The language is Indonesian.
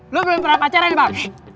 lo belum pernah pacaran ya mbak